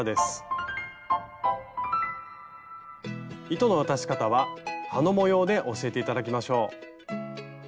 糸の渡し方は葉の模様で教えて頂きましょう。